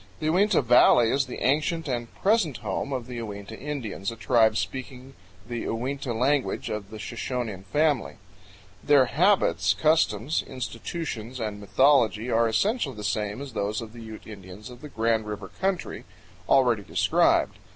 The Uinta Valley is the ancient and present home of the Uinta Indians, a tribe speaking the Uinta language of the Shoshonean family. Their habits, customs, institutions, and mythology are essentially the same as those of the Ute Indians of the Grand River country, already described.